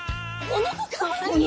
この子超かわいい！